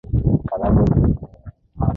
Kalamu imepotea